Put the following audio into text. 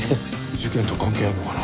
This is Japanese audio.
事件と関係あるのかな？